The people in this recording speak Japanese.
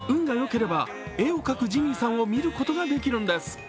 運が良ければ絵を描くジミーさんを見ることができるんです。